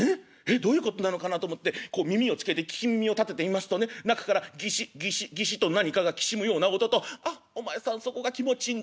どういうことなのかなと思って耳を付けて聞き耳を立てていますとね中からギシッギシッギシッと何かがきしむような音と『あっお前さんそこが気持ちいいんだよ。